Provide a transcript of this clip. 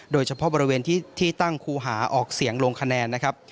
โดยเฉพาะบริเวณที่ตั้งครูหาออกเสียงลงคะแนนนะครับ